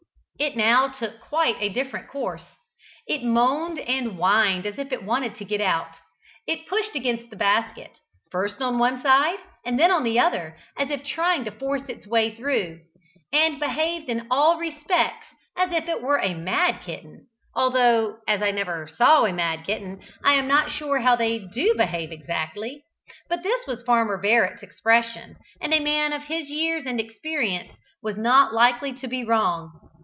It now took quite a different course. It moaned and whined as if it wanted to get out it pushed against the basket, first on one side and then on the other, as if trying to force its way through, and behaved in all respects as if it was a mad kitten, although, as I never saw a mad kitten, I am not sure how they do behave exactly but this was Farmer Barrett's expression, and a man of his years and experience was not likely to be wrong.